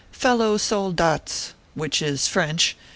" FELLOW SOLDATS ! (which is French.)